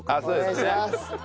お願いします。